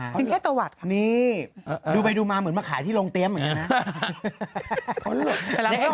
เป็นแค่ตะวัดค่ะนี่ดูไปดูมาเหมือนมาขายที่โรงเตรียมเหมือนกันนะ